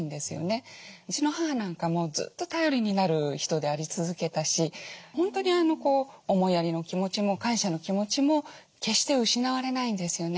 うちの母なんかもずっと頼りになる人であり続けたし本当に思いやりの気持ちも感謝の気持ちも決して失われないんですよね。